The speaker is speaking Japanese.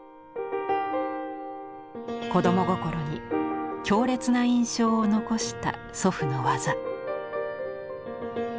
子供心に強烈な印象を残した祖父の技。